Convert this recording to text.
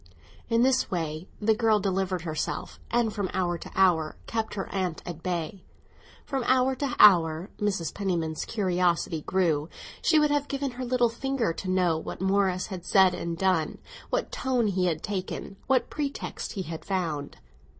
In this way the girl delivered herself, and from hour to hour kept her aunt at bay. From hour to hour Mrs. Penniman's curiosity grew. She would have given her little finger to know what Morris had said and done, what tone he had taken, what pretext he had found.